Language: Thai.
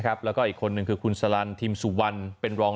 แล้วก็อีกคนนึงคือคุณสลันทิมสุวรรณเป็นรอง